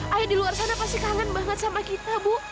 ayah di luar sana pasti kangen banget sama kita bu